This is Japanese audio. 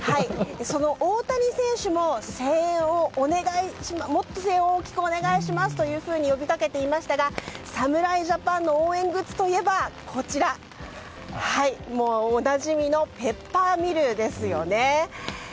その大谷選手も、もっと声援を大きくお願いしますと呼びかけていましたが侍ジャパンの応援グッズといえばおなじみのペッパーミルですよね。